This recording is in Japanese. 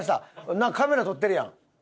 なんかカメラ撮ってるやん。